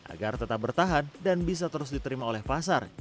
agar tetap bertahan dan bisa terus diterima oleh pasar